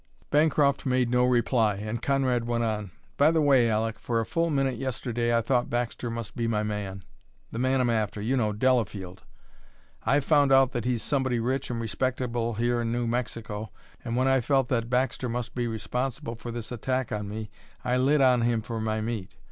Bancroft made no reply and Conrad went on: "By the way, Aleck, for a full minute yesterday I thought Baxter must be my man the man I'm after, you know Delafield. I've found out that he's somebody rich and respectable here in New Mexico, and when I felt that Baxter must be responsible for this attack on me, I lit on him for my meat.